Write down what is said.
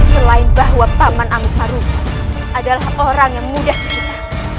selain bahwa paman amuk marugul adalah orang yang mudah terhita